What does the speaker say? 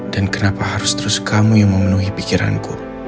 dan kenapa harus terus kamu yang memenuhi pikiranku